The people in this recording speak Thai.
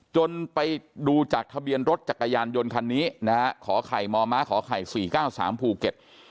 จนไปดูจากทะเบียนรถจักรยานยนต์คันนี้นะฮะขอไข่มมขอไข่๔๙๓ภูเก็ต